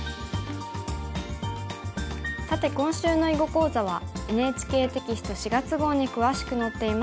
さて今週の囲碁講座はＮＨＫテキスト４月号に詳しく載っています。